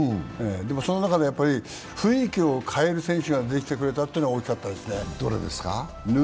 その中でも雰囲気を変える選手が出てきてくれたというのがよかったですね。